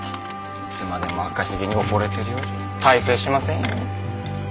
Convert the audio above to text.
いつまでも赤ひげに溺れてるようじゃ大成しませんよ。